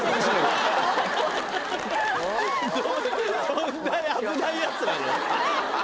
そんなに危ないやつなの？